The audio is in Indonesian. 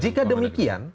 ya itu kelebihan